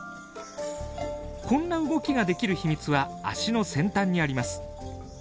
こんな動きができる秘密は足の先端にあります。